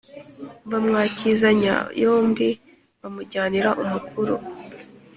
bamwakizanya yombi bamujyanira umukuru